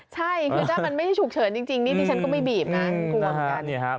ใช่คือถ้ามันไม่ได้ฉุกเฉินจริงนี่ดิฉันก็ไม่บีบนะกลัวเหมือนกัน